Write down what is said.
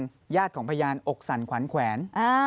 ญาติของพยานอกสั่นขวัญแขวน